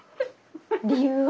理由は？